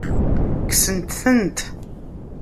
Kkset-tent.